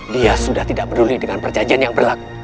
dia sudah tidak peduli dengan perjanjian yang berlaku